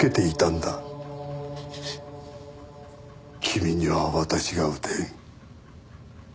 君には私が撃てん。